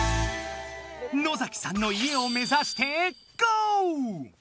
野崎さんの家を目ざしてゴー！